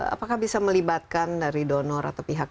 apakah bisa melibatkan dari donor atau pihak